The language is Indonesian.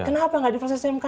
kenapa nggak di proses mkd